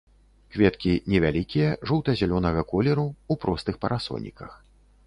Кветкі невялікія, жоўта-зялёнага колеру, у простых парасоніках.